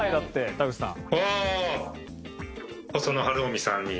田口さん